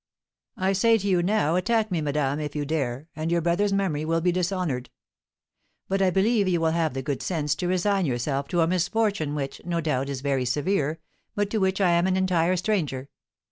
I say to you now, attack me, madame, if you dare, and your brother's memory will be dishonoured! But I believe you will have the good sense to resign yourself to a misfortune which, no doubt, is very severe, but to which I am an entire stranger.'